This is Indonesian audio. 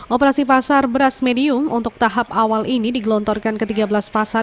operasi pasar beras medium untuk tahap awal ini digelontorkan ke tiga belas pasar